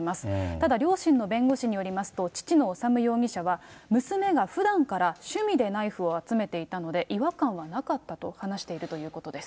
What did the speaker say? ただ、両親の弁護士によりますと、父の修容疑者は、娘がふだんから趣味でナイフを集めていたので、違和感はなかったと話しているということです。